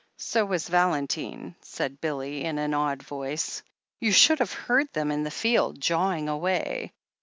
"So was Valentine," said Billy, in an awed voice. "You should have heard them in the field, jawing away.